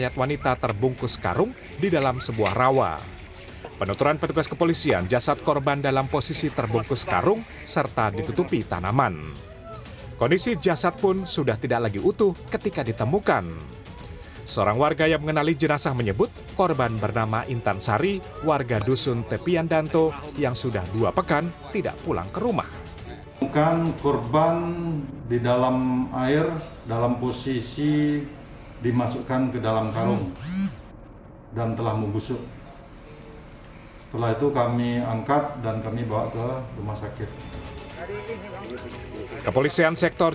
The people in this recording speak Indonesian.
dan telah membusuk setelah itu kami angkat dan kami bawa ke rumah sakit kepolisian sektor